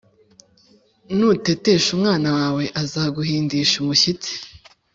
Nutetesha umwana wawe, azaguhindisha umushyitsi,